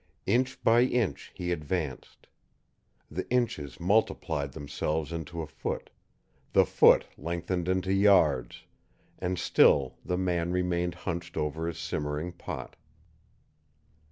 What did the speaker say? Inch by inch he advanced. The inches multiplied themselves into a foot, the foot lengthened into yards, and still the man remained hunched over his simmering pot.